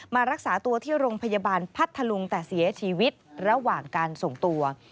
มารักษาตัวที่โรงพยาบาลพัทธลุงแต่เสียชีวิตระหว่างการส่งตัว